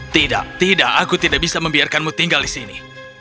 tidak tidak aku tidak bisa membiarkanmu tinggal di sini